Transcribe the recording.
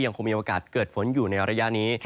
คงมีโอกาสเกิดฝนอยู่ในระยะนี้